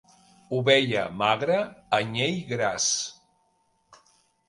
Ovella magra, anyell gras.